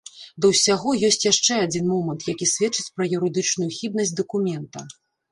Да ўсяго ёсць яшчэ адзін момант, які сведчыць пра юрыдычную хібнасць дакумента.